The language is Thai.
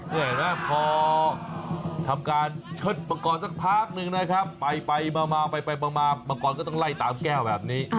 เฮ้ยแล้วพอทำการเชิดบังกรสักพักหนึ่งนะครับไปมาบังกรก็ต้องไล่ตามแก้วแบบนี้